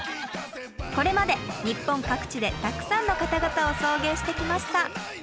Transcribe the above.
これまで日本各地でたくさんの方々を送迎してきました。